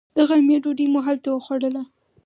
د غرمې ډوډۍ مو هلته وخوړله.